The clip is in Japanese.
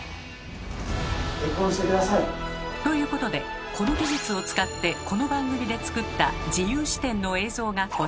結婚して下さい。ということでこの技術を使ってこの番組で作った自由視点の映像がこちら。